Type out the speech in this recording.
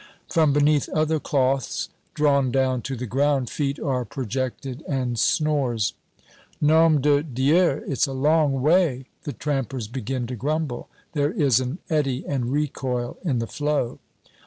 From beneath other cloths, drawn down to the ground, feet are projected, and snores. "Nom de Dieu! It's a long way!" the trampers begin to grumble. There is an eddy and recoil in the flow.